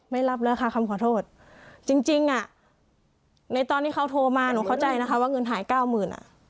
ไม่รับราคาคำขอโทษจริงในตอนที่เขาโทรมาหนูเข้าใจว่าเงินหาย๙๐๐๐๐บาท